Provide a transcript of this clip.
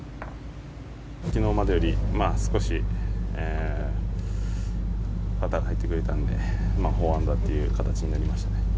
昨日までより少しパターが入ってくれたので４アンダーという形になりましたね。